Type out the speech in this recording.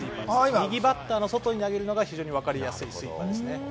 右バッターの外に投げるのが非常にわかりやすいスイーパーです。